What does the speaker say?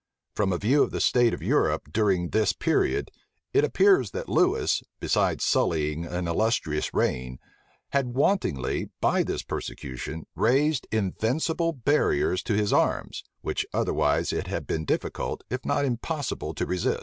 From a view of the state of Europe during this period, it appears that Lewis, besides sullying an illustrious reign, had wantonly, by this persecution, raised invincible barriers to his arms, which otherwise it had been difficult, if not impossible, to resist.